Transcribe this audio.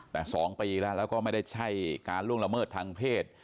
แต่๒ปีแล้วแล้วก็ไม่ได้ใช่การล่วงละเมิดทางเพศ